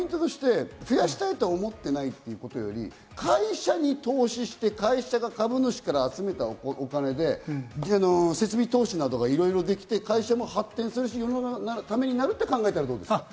増やしたいと思ってないというより、会社に投資して会社が株主から集めたお金で設備投資などがいろいろできて会社も発展するし、世の中のためになると考えたらどうですか。